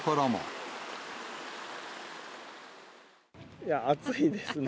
いや、暑いですね。